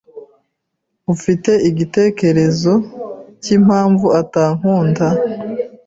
Ufite igitekerezo cyimpamvu atankunda?